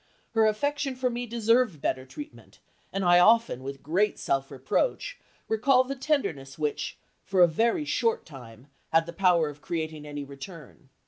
Her affection for me deserved better treatment, and I often, with great self reproach, recall the tenderness which, for a very short time, had the power of creating any return.